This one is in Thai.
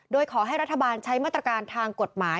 โดยขอให้รัฐบาลใช้มาตรการทางกฎหมาย